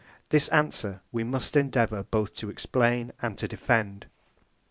This answer we must endeavour both to explain and to defend.